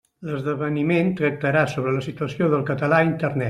L'esdeveniment tractarà sobre «La situació del català a Internet».